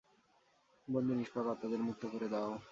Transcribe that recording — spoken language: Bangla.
বন্দি নিষ্পাপ আত্মাদের মুক্ত করে দাও!